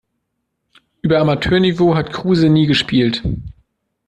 Über Amateurniveau hat Kruse nie gespielt.